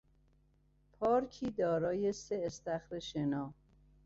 پارکی دارای سه استخر شنا